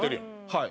はい。